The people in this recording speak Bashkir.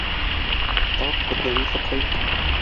Тауыҡ күргәнен суҡый.